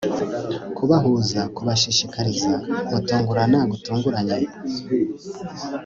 Kubahuza kubashishikariza gutungurana gutunguranye